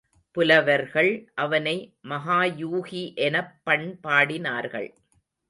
புலவர்கள் அவனை மகாயூகி எனப்பண் பாடினர்கள்.